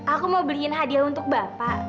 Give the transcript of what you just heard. aku mau beliin hadiah untuk bapak